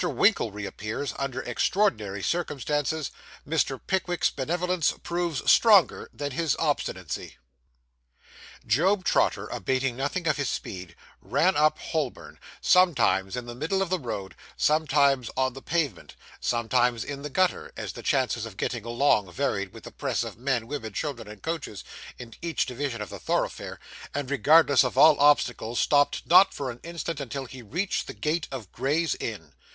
WINKLE REAPPEARS UNDER EXTRAORDINARY CIRCUMSTANCES MR. PICKWICK'S BENEVOLENCE PROVES STRONGER THAN HIS OBSTINACY Job Trotter, abating nothing of his speed, ran up Holborn, sometimes in the middle of the road, sometimes on the pavement, sometimes in the gutter, as the chances of getting along varied with the press of men, women, children, and coaches, in each division of the thoroughfare, and, regardless of all obstacles stopped not for an instant until he reached the gate of Gray's Inn.